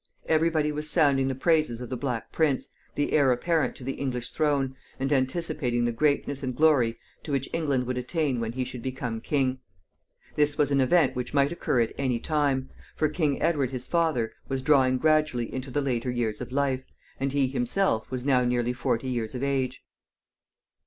Every body was sounding the praises of the Black Prince, the heir apparent to the English throne, and anticipating the greatness and glory to which England would attain when he should become king. This was an event which might occur at any time, for King Edward his father was drawing gradually into the later years of life, and he himself was now nearly forty years of age.